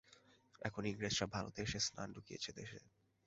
এখন ইংরেজরা ভারতে এসে স্নান ঢুকিয়েছে দেশে।